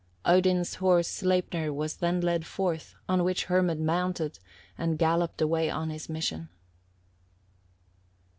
Odin's horse Sleipnir was then led forth, on which Hermod mounted, and galloped away on his mission.